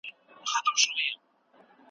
پاسپورټه پرته له اباسین څخه تېر سي.